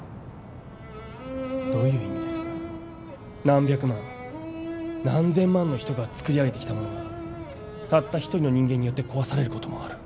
何百万何千万の人がつくり上げてきたものがたった一人の人間によって壊されることもある。